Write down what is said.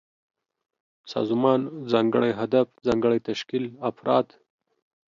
سازمان: ځانګړی هدف، ځانګړی تشکيل ، افراد